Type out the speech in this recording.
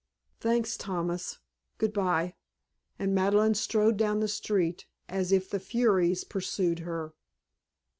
"Thanks, Thomas. Good by." And Madeleine strode down the street as if the furies pursued her.